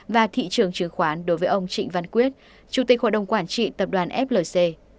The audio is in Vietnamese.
và thị trường chứng khoán đối với ông trịnh văn quyết chủ tịch hội đồng quản trị tập đoàn flc